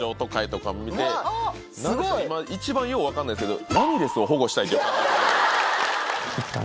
何か今一番よう分かんないですけど。